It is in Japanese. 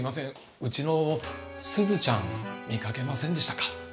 ウチのすずちゃん見かけませんでしたか？